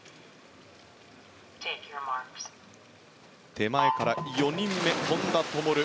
手前から４人目、本多灯。